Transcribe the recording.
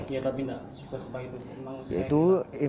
ya tapi nak supaya itu memang